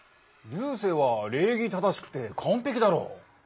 流星は礼儀正しくてかんぺきだろ？